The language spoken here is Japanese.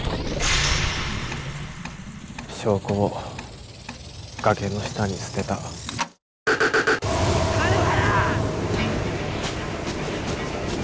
証拠を崖の下に捨てた谷原！